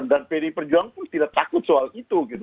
dan pdi perjuangan pun tidak takut soal itu gitu